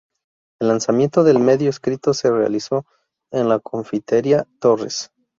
El lanzamiento del medio escrito se realizó en la Confitería Torres.